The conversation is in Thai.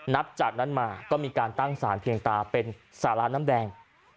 นับจากนั้นมาก็มีการตั้งสารเพียงตาเป็นสาระน้ำแดง